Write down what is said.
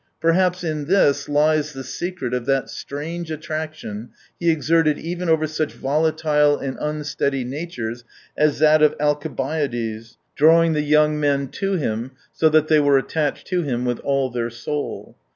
Perhaps in this lies the secret of that strange attraction he exerted even over such volatile and unsteady natures as that of Alcibiades, drawing the young men to him so that they were attached to him with all their soul.